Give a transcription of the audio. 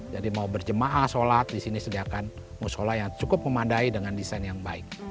jadi mau berjemaah sholat disini sediakan musyola yang cukup memandai dengan desain yang baik